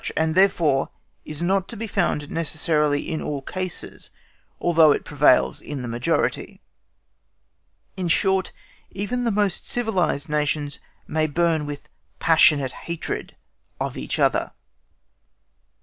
and, therefore, is not to be found necessarily in all cases, although it prevails in the majority. In short, even the most civilised nations may burn with passionate hatred of each other.